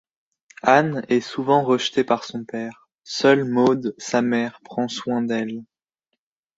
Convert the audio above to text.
Anne est souvent rejetée par son père, seule Maude, sa mère, prend soin d'elle.